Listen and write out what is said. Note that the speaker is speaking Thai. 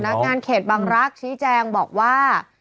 สำนักงานเขตบางรักชี้แจงบอกว่า